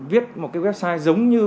viết một cái website giống như